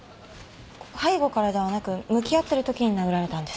背後からではなく向き合ってるときに殴られたんです。